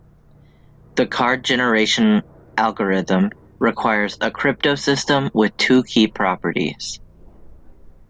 The card-generation algorithm requires a cryptosystem with two key properties.